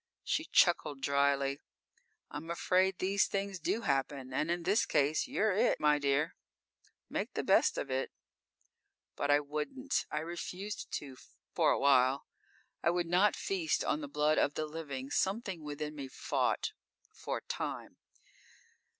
"_ She chuckled drily. "I'm afraid these things do happen, and in this case, you're it, my dear. Make the best of it." _But I wouldn't; I refused to for a while. I would not feast on the blood of the living. Something within me fought. For a time.